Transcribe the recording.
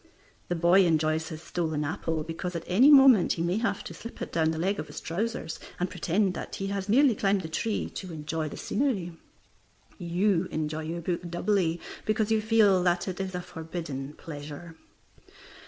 The boy enjoys his stolen apple, because at any moment he may have to slip it down the leg of his trousers, and pretend that he has merely climbed the tree to enjoy the scenery. You enjoy your book doubly because you feel that it is a forbidden pleasure.